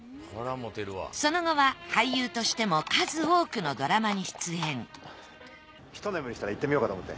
その後は俳優としても数多くのドラマに出演ひと眠りしたら行ってみようかと思って。